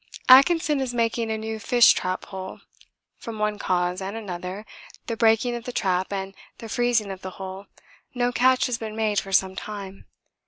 Atkinson is making a new fish trap hole; from one cause and another, the breaking of the trap, and the freezing of the hole, no catch has been made for some time.